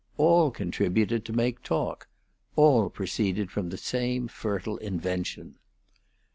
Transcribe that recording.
All contributed to make talk. All proceeded from the same fertile invention.